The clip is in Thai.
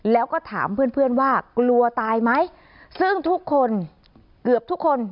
แล้วก็ถามเพื่อนเพื่อนว่ากลัวตายไหมซึ่งทุกคนเกือบทุกคน